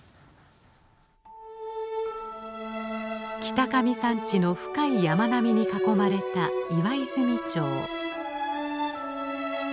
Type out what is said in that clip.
北上山地の深い山並みに囲まれた岩泉町。